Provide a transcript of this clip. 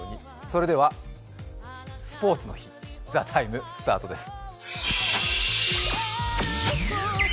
それでは、スポーツの日「ＴＨＥＴＩＭＥ，」スタートです。